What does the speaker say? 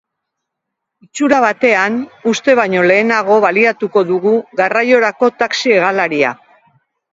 Itxura batean, uste baino lehenago baliatuko dugu garraiorako taxi hegalaria.